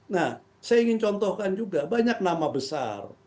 nah saya ingin contohkan juga banyak nama besar